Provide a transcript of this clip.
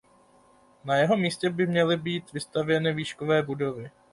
Na jeho místě by měly být vystavěny výškové budovy.